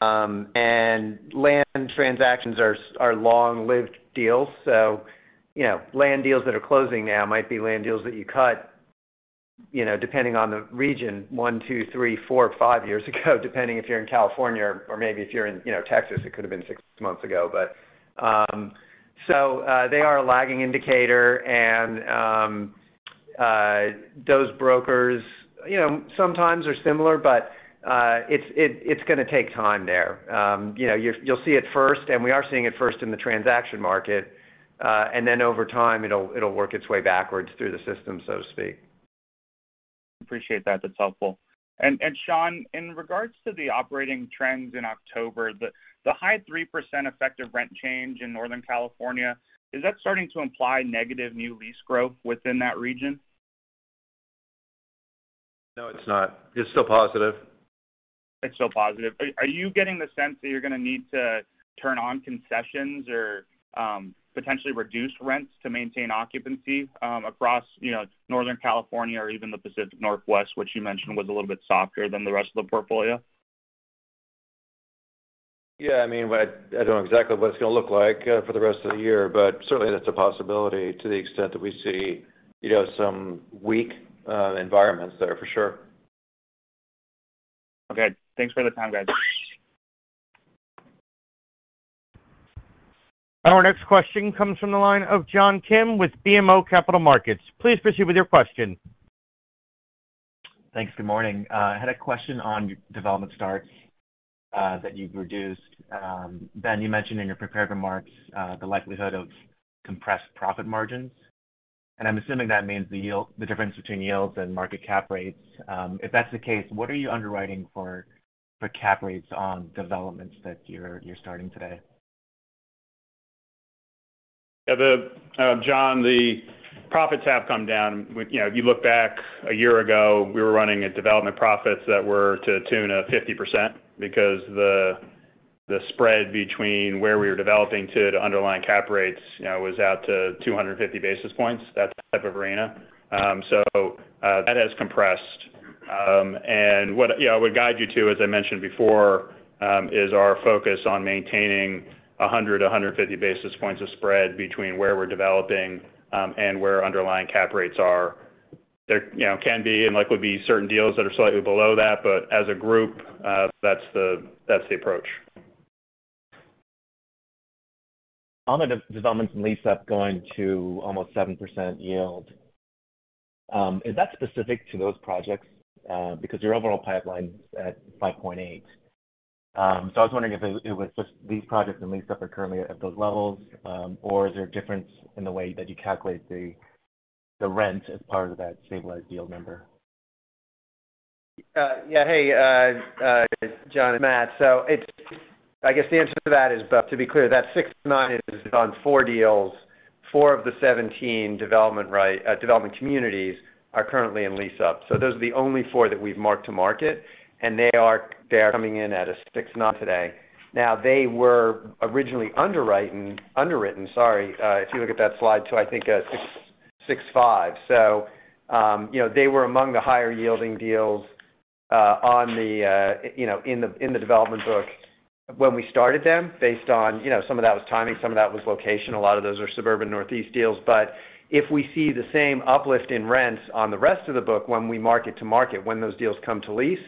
and land transactions are long-lived deals. You know, land deals that are closing now might be land deals that you cut, depending on the region 1, 2, 3, 4, 5 years ago, depending on if you're in California or maybe if you're in Texas, it could have been six months ago. They are a lagging indicator and those brokers, sometimes are similar, but it's gonna take time there. You know, you'll see it first and we are seeing it first in the transaction market, and then over time, it'll work its way backwards through the system, so to speak. Appreciate that. That's helpful. Sean, in regards to the operating trends in October, the high 3% effective rent change in Northern California, is that starting to imply negative new lease growth within that region? No, it's not. It's still positive. It's still positive. Are you getting the sense that you're gonna need to turn on concessions or potentially reduce rents to maintain occupancy across, Northern California or even the Pacific Northwest, which you mentioned was a little bit softer than the rest of the portfolio? Yeah. I mean, but I don't know exactly what it's gonna look like for the rest of the year, but certainly that's a possibility to the extent that we see, some weak environments there, for sure. Okay. Thanks for the time, guys. Our next question comes from the line of John Kim with BMO Capital Markets. Please proceed with your question. Thanks. Good morning. I had a question on your development starts that you've reduced. Ben, you mentioned in your prepared remarks the likelihood of compressed profit margins, and I'm assuming that means the yield, the difference between yields and market cap rates. If that's the case, what are you underwriting for cap rates on developments that you're starting today? Yeah. John, the profits have come down. When you know, if you look back a year ago, we were running at development profits that were to the tune of 50% because the spread between where we were developing to the underlying cap rates, was out to 250 basis points. That's the type of margin. So that has compressed. What you know, I would guide you to, as I mentioned before, is our focus on maintaining 100 to 150 basis points of spread between where we're developing and where underlying cap rates are. There can be and likely be certain deals that are slightly below that. As a group, that's the approach. On the developments and lease up going to almost 7% yield, is that specific to those projects? Because your overall pipelines at 5.8%. I was wondering if it was just these projects and lease up are currently at those levels, or is there a difference in the way that you calculate the rent as part of that stabilized yield number? Hey, John, it's Matt. I guess the answer to that is, but to be clear, that 6.9% is on 4 deals. 4 of the 17 development communities are currently in lease-up. Those are the only 4 that we've marked to market, and they are coming in at a 6.9% today. Now, they were originally underwritten, sorry, if you look at that slide, to, I think, 6.65%. You know, they were among the higher-yielding deals, on the, in the development book when we started them based on, some of that was timing, some of that was location. A lot of those are suburban Northeast deals. If we see the same uplift in rents on the rest of the book when we mark to market, when those deals come to lease,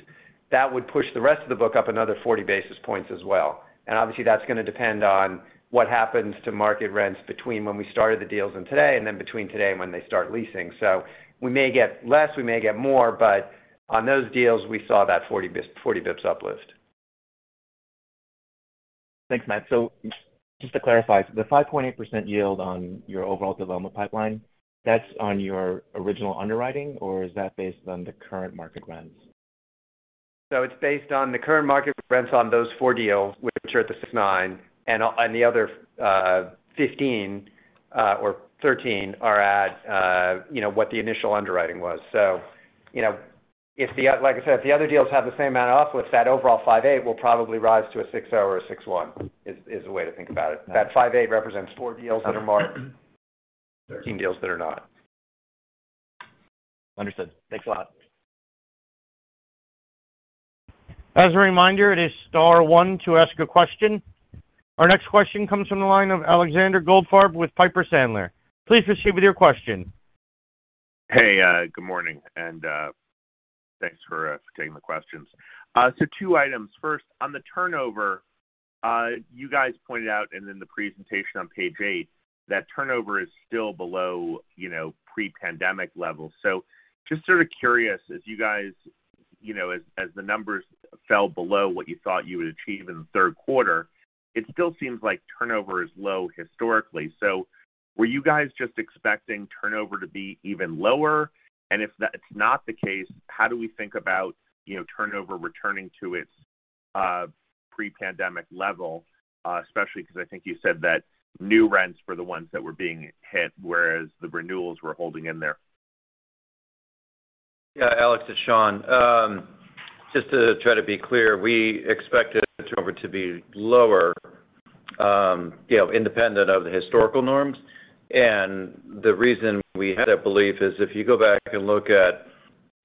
that would push the rest of the book up another 40 basis points as well. Obviously, that's gonna depend on what happens to market rents between when we started the deals and today and then between today and when they start leasing. We may get less, we may get more, but on those deals, we saw that 40 basis points uplift. Thanks, Matt. Just to clarify, the 5.8% yield on your overall development pipeline, that's on your original underwriting, or is that based on the current market rents? It's based on the current market rents on those 4 deals, which are at the 6.9%, and the other 15 or 13 are at, what the initial underwriting was. You know, like I said, if the other deals have the same amount of uplift, that overall 5.8% will probably rise to a 6.0% or a 6.1%, is a way to think about it. That 5.8% represents 4 deals that are marked, 13 deals that are not. Understood. Thanks a lot. As a reminder, it is star one to ask a question. Our next question comes from the line of Alexander Goldfarb with Piper Sandler. Please proceed with your question. Hey, good morning, and thanks for taking the questions. Two items. First, on the turnover, you guys pointed out and in the presentation on page 8, that turnover is still below, pre-pandemic levels. Just sort of curious, as you guys, as the numbers fell below what you thought you would achieve in the Q3, it still seems like turnover is low historically. Were you guys just expecting turnover to be even lower? If that's not the case, how do we think about, turnover returning to its pre-pandemic level, especially because I think you said that new rents were the ones that were being hit, whereas the renewals were holding in there. Yeah, Alex, it's Sean. Just to try to be clear, we expected turnover to be lower. You know, independent of the historical norms. The reason we had that belief is if you go back and look at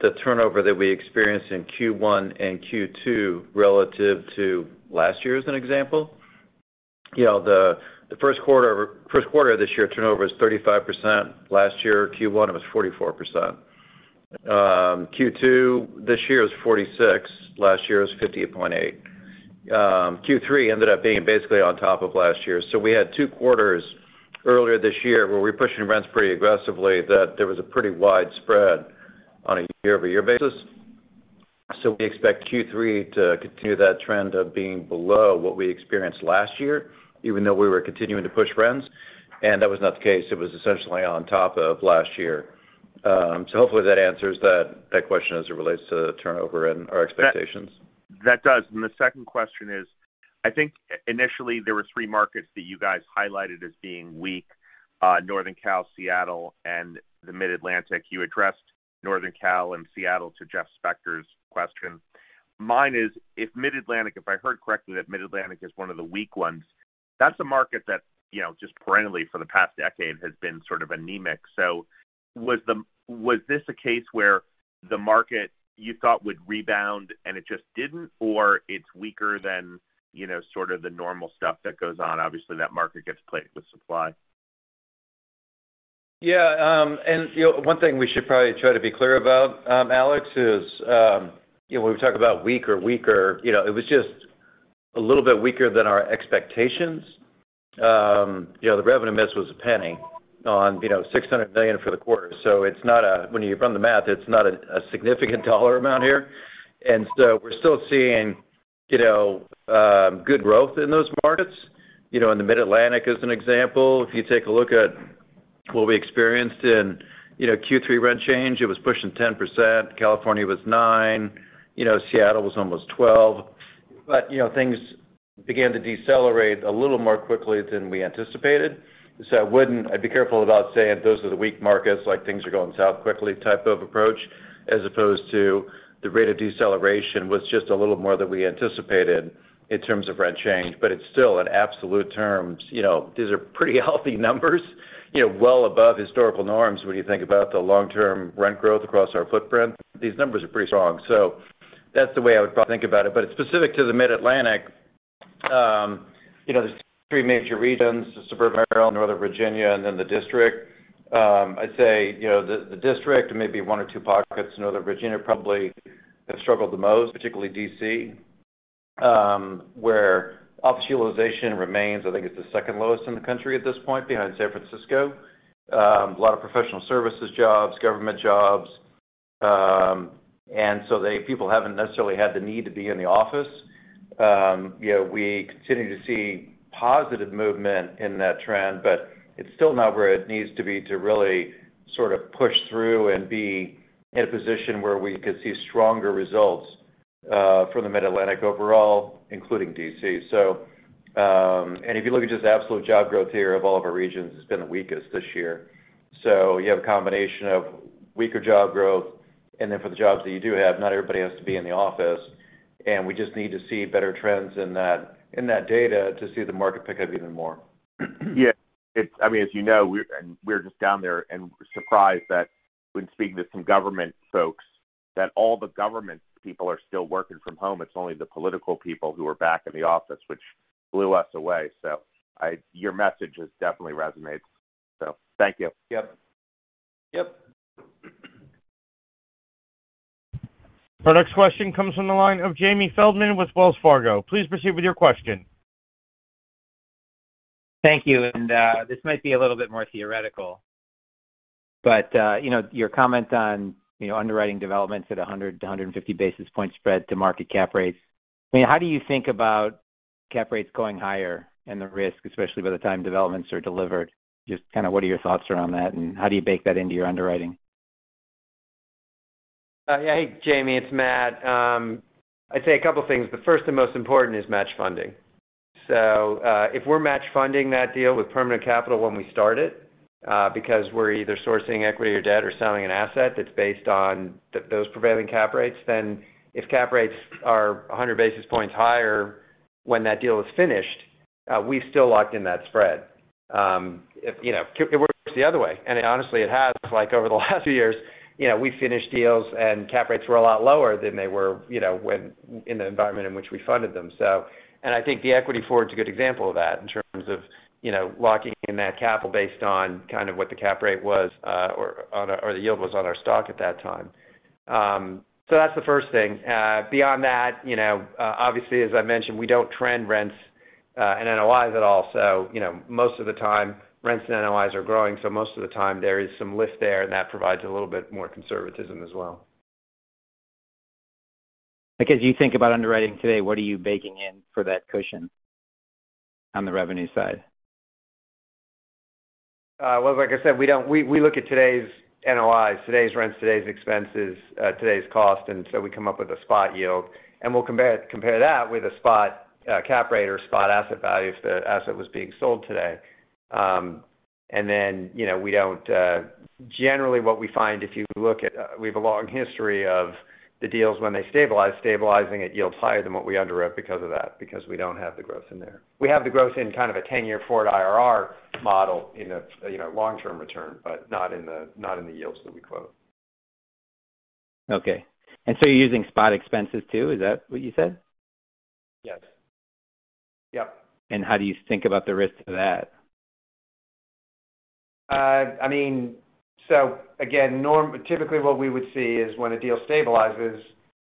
the turnover that we experienced in Q1 and Q2 relative to last year as an example, the Q1 of this year turnover is 35%. Last year, Q1, it was 44%. Q2 this year is 46%, last year was 58.8%. Q3 ended up being basically on top of last year. We had two quarters earlier this year where we're pushing rents pretty aggressively that there was a pretty widespread on a year-over-year basis. We expect Q3 to continue that trend of being below what we experienced last year, even though we were continuing to push rents, and that was not the case, it was essentially on top of last year. Hopefully that answers that question as it relates to turnover and our expectations. That does. The second question is, I think initially there were three markets that you guys highlighted as being weak, Northern Cal, Seattle, and the Mid-Atlantic. You addressed Northern Cal and Seattle to Jeff Spector's question. Mine is, if Mid-Atlantic, if I heard correctly that Mid-Atlantic is one of the weak ones, that's a market that, just perennially for the past decade has been sort of anemic. Was this a case where the market you thought would rebound and it just didn't, or it's weaker than, sort of the normal stuff that goes on? Obviously, that market gets plagued with supply. Yeah. You know, one thing we should probably try to be clear about, Alexander, is, when we talk about weak or weaker, it was just a little bit weaker than our expectations. You know, the revenue miss was a penny on, $600 million for the quarter. It's not. When you run the math, it's not a significant dollar amount here. We're still seeing, good growth in those markets. You know, in the Mid-Atlantic, as an example, if you take a look at what we experienced in, Q3 rent change, it was pushing 10%, California was 9%, Seattle was almost 12%. You know, things began to decelerate a little more quickly than we anticipated. I'd be careful about saying those are the weak markets, like things are going south quickly type of approach, as opposed to the rate of deceleration was just a little more than we anticipated in terms of rent change. It's still at absolute terms, these are pretty healthy numbers, well above historical norms when you think about the long-term rent growth across our footprint. These numbers are pretty strong. That's the way I would probably think about it. Specific to the Mid-Atlantic, there's three major regions, the suburban Maryland, Northern Virginia, and then the District. I'd say, you know, the District and maybe one or two pockets in Northern Virginia probably have struggled the most, particularly D.C., where office utilization remains. I think it's the second lowest in the country at this point behind San Francisco. A lot of professional services jobs, government jobs, people haven't necessarily had the need to be in the office. You know, we continue to see positive movement in that trend, but it's still not where it needs to be to really sort of push through and be in a position where we could see stronger results for the Mid-Atlantic overall, including D.C. If you look at just absolute job growth here of all of our regions, it's been the weakest this year. You have a combination of weaker job growth, and then for the jobs that you do have, not everybody has to be in the office. We just need to see better trends in that data to see the market pick up even more. Yeah. I mean, as you know, we're just down there and surprised that when speaking to some government folks, that all the government people are still working from home. It's only the political people who are back in the office, which blew us away. Your message has definitely resonated. Thank you. Yep. Yep. Our next question comes from the line of Jamie Feldman with Wells Fargo. Please proceed with your question. Thank you. This might be a little bit more theoretical, but, you know, your comment on, underwriting developments at 100 to 150 basis point spread to market cap rates. I mean, how do you think about cap rates going higher and the risk, especially by the time developments are delivered? Just kinda what are your thoughts around that, and how do you bake that into your underwriting? Jamie, it's Matt. I'd say a couple of things. The first and most important is match funding. If we're match funding that deal with permanent capital when we start it, because we're either sourcing equity or debt or selling an asset that's based on those prevailing cap rates, then if cap rates are 100 basis points higher when that deal is finished, we've still locked in that spread. If, you know, it works the other way. Honestly, it has, like, over the last few years, we finished deals and cap rates were a lot lower than they were, in the environment in which we funded them. I think the equity forward is a good example of that in terms of, you know, locking in that capital based on kind of what the cap rate was, or the yield was on our stock at that time. That's the first thing. Beyond that, obviously, as I mentioned, we don't trend rents, and NOIs at all. You know, most of the time, rents and NOIs are growing, so most of the time there is some lift there, and that provides a little bit more conservatism as well. Like, as you think about underwriting today, what are you baking in for that cushion on the revenue side? Well, like I said, we look at today's NOIs, today's rents, today's expenses, today's cost, and so we come up with a spot yield. We'll compare that with a spot cap rate or spot asset value if the asset was being sold today. You know, we don't. Generally, what we find, if you look at, we have a long history of the deals when they stabilize, stabilizing at yields higher than what we underwrite because of that, because we don't have the growth in there. We have the growth in kind of a 10-year forward IRR model in a, long-term return, but not in the yields that we quote. Okay. You're using spot expenses too, is that what you said? Yes. Yep. How do you think about the risk of that? I mean, again, typically, what we would see is when a deal stabilizes,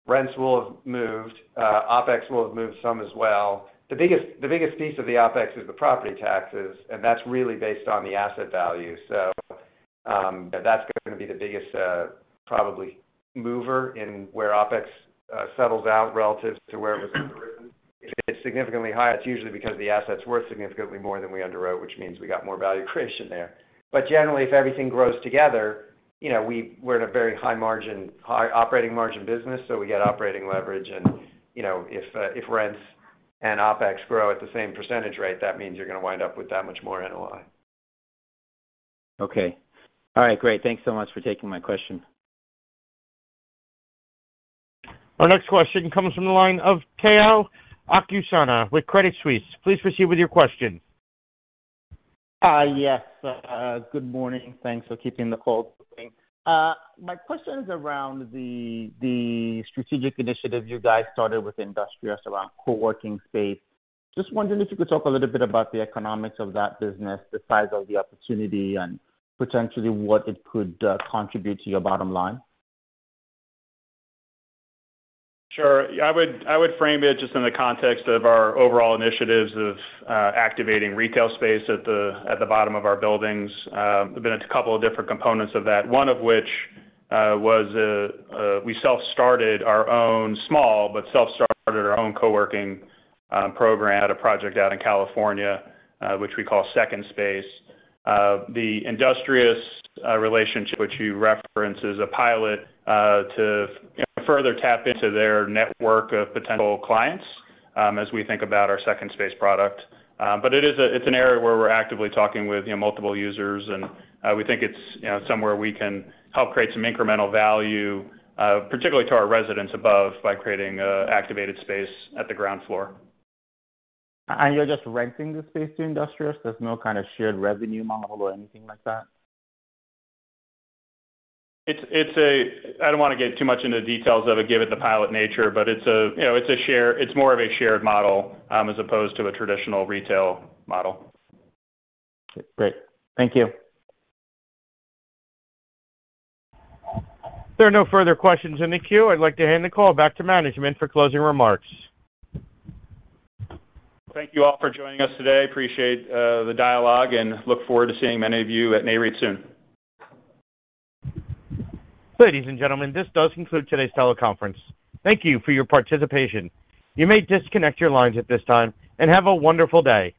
rents will have moved, OpEx will have moved some as well. The biggest piece of the OpEx is the property taxes, and that's really based on the asset value. That's gonna be the biggest probably mover in where OpEx settles out relative to where it was originally. If it's significantly high, it's usually because the asset's worth significantly more than we underwrote, which means we got more value creation there. Generally, if everything grows together, we're in a very high margin, high operating margin business, so we get operating leverage. You know, if rents and OpEx grow at the same percentage rate, that means you're gonna wind up with that much more NOI. Okay. All right, great. Thanks so much for taking my question. Our next question comes from the line of Tayo Okusanya with Credit Suisse. Please proceed with your question. Yes. Good morning. Thanks for keeping the call moving. My question is around the strategic initiative you guys started with Industrious around co-working space. Just wondering if you could talk a little bit about the economics of that business, the size of the opportunity, and potentially what it could contribute to your bottom line. Sure. I would frame it just in the context of our overall initiatives of activating retail space at the bottom of our buildings. There's been a couple of different components of that. One of which was we self-started our own co-working program at a project out in California, which we call Second Space. The Industrious relationship which you referenced is a pilot to further tap into their network of potential clients, as we think about our Second Space product. It's an area where we're actively talking with, multiple users, and we think it's, somewhere we can help create some incremental value, particularly to our residents above, by creating activated space at the ground floor. You're just renting the space to Industrious? There's no kind of shared revenue model or anything like that? I don't wanna get too much into the details of it, given the pilot nature, but you know, it's a share. It's more of a shared model, as opposed to a traditional retail model. Great. Thank you. If there are no further questions in the queue, I'd like to hand the call back to management for closing remarks. Thank you all for joining us today. Appreciate, the dialogue, and look forward to seeing many of you at Nareit soon. Ladies and gentlemen, this does conclude today's teleconference. Thank you for your participation. You may disconnect your lines at this time, and have a wonderful day.